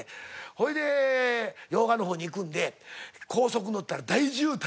ほいで用賀の方に行くんで高速のったら大渋滞で。